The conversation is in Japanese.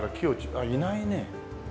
あっいないね。